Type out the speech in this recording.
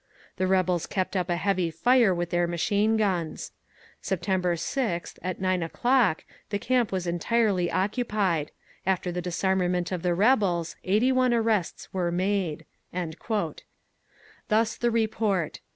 The rebels kept up a heavy fire with their machine guns. September 6th, at 9 o'clock, the camp was entirely occupied…. After the disarmament of the rebels, 81 arrests were made…." Thus the report.